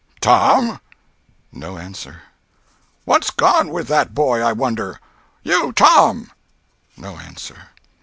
"TOM!" No answer. "What's gone with that boy, I wonder? You TOM!" No answer.